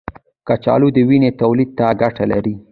کچالو د وینې تولید ته ګټه لري.